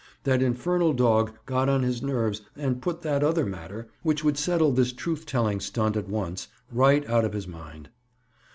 That infernal dog got on his nerves and put that other matter, which would settle this truth telling stunt at once, right out of his mind.